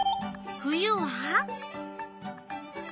冬は？